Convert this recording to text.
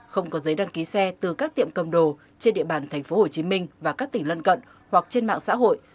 không có giấy đăng ký xe từ các tiệm cầm đồ trên địa bàn tp hcm và các tỉnh lân cận hoặc trên mạng xã hội